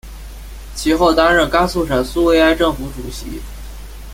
其后担任甘肃省苏维埃政府主席。